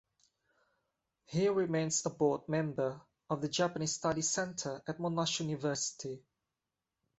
He remains a board member of the Japanese Studies Centre at Monash University.